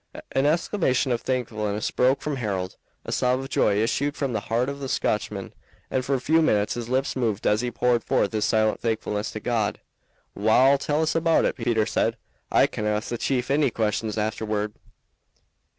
An exclamation of thankfulness broke from Harold. A sob of joy issued from the heart of the Scotchman, and for a few minutes his lips moved as he poured forth his silent thankfulness to God. "Waal, tell us all about it," Peter said. "I can ask the chief any questions afterward."